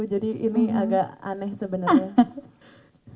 jadi ini agak aneh sebenarnya